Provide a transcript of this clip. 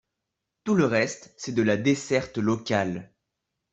Tout le reste, c’est de la desserte locale.